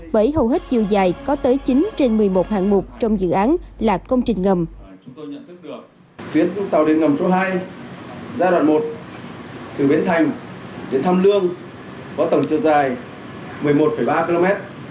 bởi hầu hết chiều dài có tới chín trên một mươi một hạng mục trong dự án là công trình ngầm